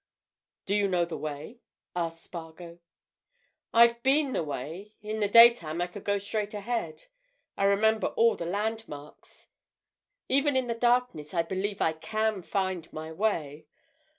"Do you know the way?" asked Spargo. "I've been the way. In the daytime I could go straight ahead. I remember all the landmarks. Even in the darkness I believe I can find my way.